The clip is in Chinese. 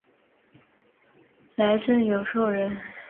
来瑱永寿人。